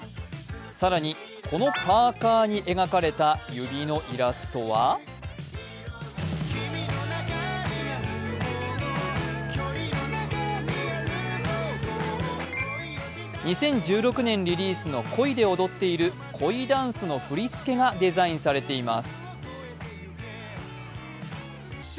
更にこのパーカに描かれた指のイラストは２０１６年リリースの「恋」で踊っている恋ダンスの振り付けがデザインされています。